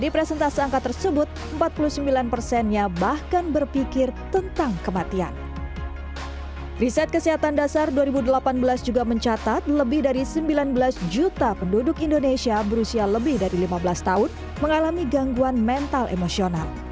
riset kesehatan dasar dua ribu delapan belas juga mencatat lebih dari sembilan belas juta penduduk indonesia berusia lebih dari lima belas tahun mengalami gangguan mental emosional